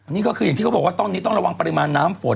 นี่ก็คืออย่างที่เขาบอกว่าตอนนี้ต้องระวังปริมาณน้ำฝน